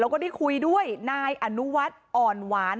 แล้วก็ได้คุยด้วยนายอนุวัฒน์อ่อนหวาน